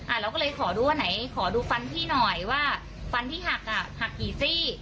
เราก็เลยขอดูว่าไหนขอดูฟันพี่หน่อยว่าฟันที่หักอ่ะหักกี่ซี่